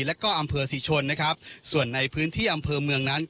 แล้วก็อำเภอศรีชนนะครับส่วนในพื้นที่อำเภอเมืองนั้น